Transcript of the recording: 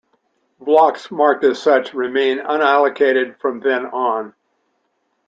Blocks marked as such remain unallocated from then on.